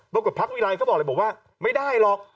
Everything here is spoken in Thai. พบกับพรรควีไรเขาบอกเลยว่าไม่ได้หรอก